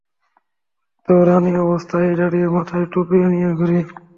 তো, রানি, অবস্থা এই দাঁড়িয়েছে, মাথায়ও টুপি নিয়ে ঘুরি।